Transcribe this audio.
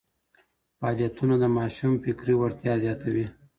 فعالیتونه د ماشوم فکري وړتیا زیاتوي.